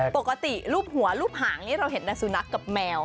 ปกติรูปหัวรูปหางนี้เราเห็นแต่สุนัขกับแมว